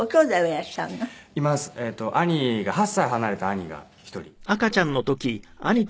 兄が８歳離れた兄が１人いますね。